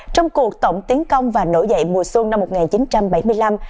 trong cuộc tổng tiến công và nổi dậy mùa xuân năm một nghìn chín trăm bảy mươi năm